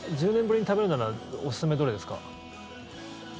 １０年ぶりに食べるならおすすめ、どれですか？